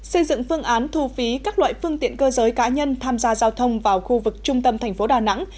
xây dựng phương án thu phí các loại phương tiện cơ giới cá nhân tham gia giao thông vào khu vực trung tâm thành phố đà nẵng